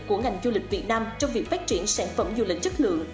của ngành du lịch việt nam trong việc phát triển sản phẩm du lịch chất lượng